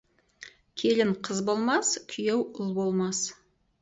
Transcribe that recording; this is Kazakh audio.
Келін қыз болмас, күйеу ұл болмас.